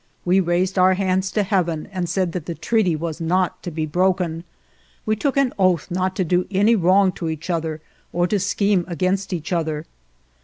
We raised our hands to heaven and said that the treaty was not to be broken. We took an oath not to do any wrong to each other or to scheme against each other.